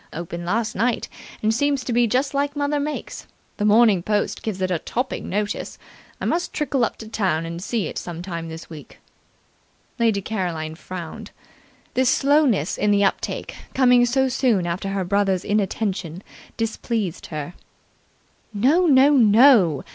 Opened last night, and seems to be just like mother makes. The Morning Post gave it a topping notice. I must trickle up to town and see it some time this week." Lady Caroline frowned. This slowness in the uptake, coming so soon after her brother's inattention, displeased her. "No, no, no.